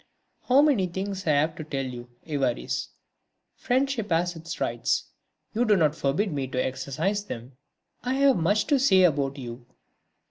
"How many things I have to tell you, Évariste. Friendship has its rights; you do not forbid me to exercise them? I have much to say about you